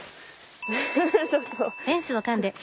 フフフちょっと。